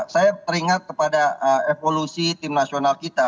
saya teringat kepada evolusi tim nasional kita